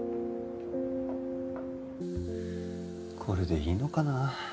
これでいいのかな？